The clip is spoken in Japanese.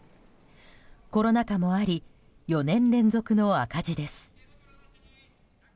コロナ禍もあり４年連続の赤字です。